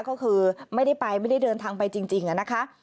ก็คือไม่ได้ไปไม่ได้เดินทางไปจริงนะคะ